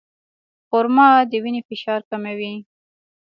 خرما د وینې فشار کموي.